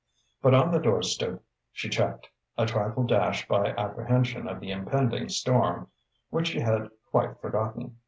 But on the door stoop she checked, a trifle dashed by apprehension of the impending storm, which she had quite forgotten.